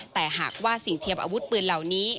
แต่หากว่าสิ่งเทียมอาวุธปืนเหล่านี้